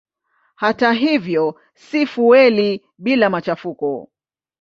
Hata hivyo si fueli bila machafuko.